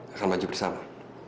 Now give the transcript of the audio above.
akan maju bersama